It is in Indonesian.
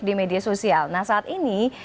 di media sosial nah saat ini